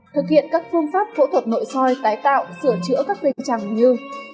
thực hiện các phương pháp phẫu thuật nội soi tái tạo sửa chữa các cây chẳng như